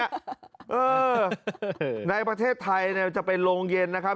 เออในประเทศไทยเนี่ยจะเป็นโรงเย็นนะครับ